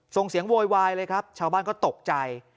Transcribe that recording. ส่งเสียงโวยวายเลยครับชาวบ้านก็ตกใจ